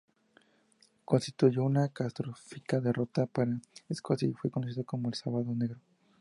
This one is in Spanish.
Constituyó una catastrófica derrota para Escocia y fue conocida como el Sábado Negro.